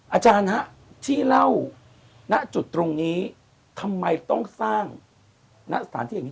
อาจารย์ฮะที่เล่าณจุดตรงนี้ทำไมต้องสร้างณสถานที่อย่างนี้